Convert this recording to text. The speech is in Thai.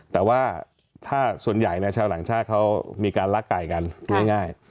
แต่ว่าถ้าส่วนใหญ่เนี่ยชาวหลังชาติเขามีการละไก่กันง่าย